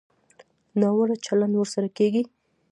ناوړه چلند ورسره کېږي.